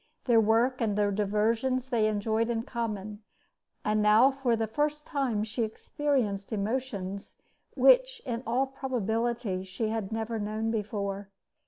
Their work and their diversions they enjoyed in common, and now for the first time she experienced emotions which in all probability she had never known before.